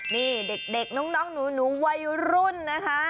นี่เด็กน้องหนูวัยรุ่นนะคะ